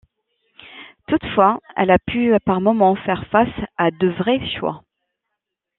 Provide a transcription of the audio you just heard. Toutefois, elle a pu par moments faire face à de vrais choix.